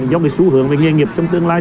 do cái xu hướng về nghề nghiệp trong tương lai